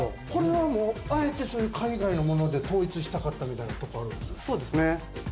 あえて海外のもので統一したかったみたいなとこあるんですか？